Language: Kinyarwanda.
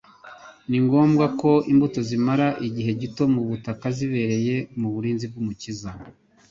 Ni ngombwa ko imbuto zimara igihe gito mu butaka zibereye mu burinzi bw'Umukiza.